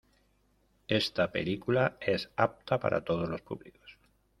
Esta película es apta para todos los públicos.